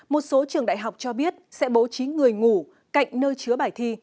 một số trường đại học cho biết sẽ bố trí người ngủ cạnh nơi chứa bài thi